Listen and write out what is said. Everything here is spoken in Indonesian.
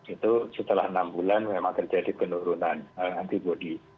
itu setelah enam bulan memang terjadi penurunan antibody